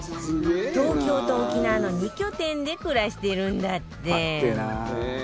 東京と沖縄の２拠点で暮らしてるんだって。